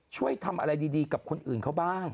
ช่วยทำอะไรดีกับคนอื่นเขาบ้าง